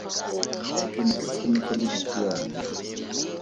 Ke ne ke tshameka le ditsuane.